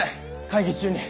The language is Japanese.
会議中に。